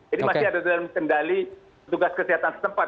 jadi masih ada dalam kendali tugas kesehatan setempat